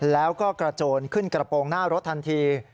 แล้วก็กระโจนขึ้นกระโปรงหน้ารถทันที